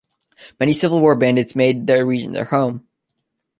Many Civil War bandits made the region their home.